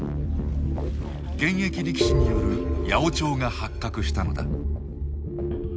現役力士による八百長が発覚したのだ。